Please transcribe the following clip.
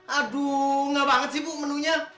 aduh ngeh banget sih bu menunya